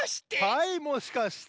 はいもしかして！